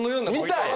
見たい！